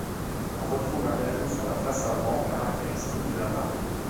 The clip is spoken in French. On retrouve un ajout sur la face avant, caractéristique de la marque.